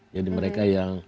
jadi mereka yang